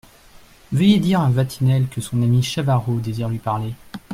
Veuillez dire à Vatinelle que son ami Chavarot désire lui parler…